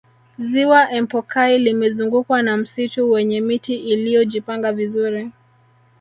ziwa empokai limezungukwa na msitu wenye miti iliyojipanga vizuri